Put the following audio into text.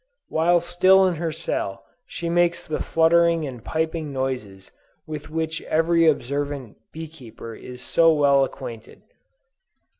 While still in her cell she makes the fluttering and piping noises with which every observant bee keeper is so well acquainted.